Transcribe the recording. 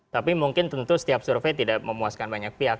tapi mungkin tentu setiap survei tidak memuaskan banyak pihak